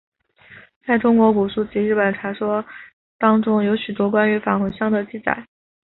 在中国古书及日本传说当中有许多关于返魂香的记载。